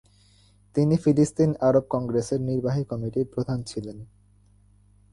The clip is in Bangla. তিনি ফিলিস্তিন আরব কংগ্রেসের নির্বাহী কমিটির প্রধান ছিলেন।